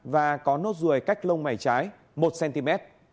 và có nốt ruồi cách lông mảy trái một cm